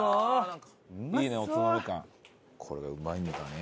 これがうまいんだね。